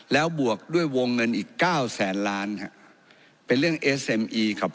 แล้วบวกด้วยวงเงินอีกเก้าแสนล้านฮะเป็นเรื่องเอสเอ็มอีครับ